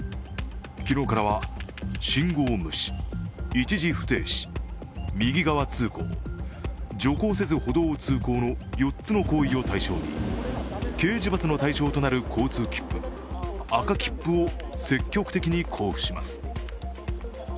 昨日からは、信号無視、一時不停止、右側通行、徐行せず歩道を通行の４つの行為を対象に刑事罰の対象となる交通切符、赤切符を積極的に交付します。